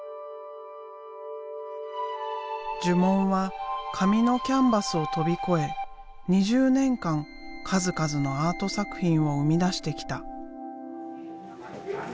呪文は紙のキャンバスを飛び越え２０年間数々のアート作品を生み出してきた。